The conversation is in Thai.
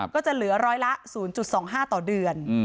ก็จะเหลือร้อยละ๐๒๕ต่อเดือน